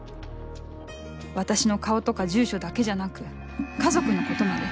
私の顔とか住所だけじゃなく家族のことまで。